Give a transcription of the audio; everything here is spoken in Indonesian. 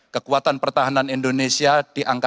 kekuatan pertahanan indonesia di angkatan cyber akan kita tingkatkan